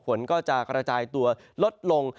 ฝนก็จะกระจายตัวลดลง